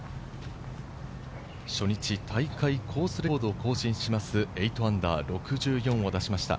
初日大会コースレコードを更新します−８、６４を出しました。